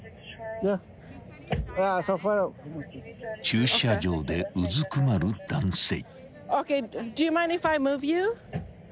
［駐車場でうずくまる男性］